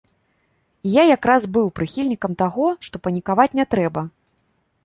І я як раз быў прыхільнікам таго, што панікаваць не трэба.